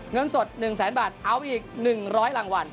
เงินสด๑แสนบาทเอาอีก๑๐๐รางวัล